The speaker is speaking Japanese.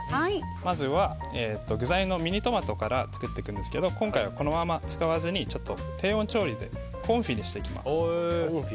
まずは、具材のミニトマトから作っていくんですけど今回はこのまま使わずに低温調理でコンフィにしていきます。